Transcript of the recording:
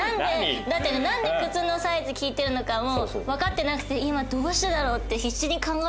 なんで靴のサイズ聞いてるのかもわかってなくて今どうしてだろう？って必死に考えてる。